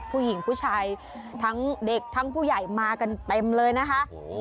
ผู้หญิงผู้ชายทั้งเด็กทั้งผู้ใหญ่มากันเต็มเลยนะคะ